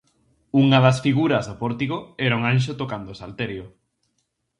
Unha das figuras do pórtico era un anxo tocando o salterio.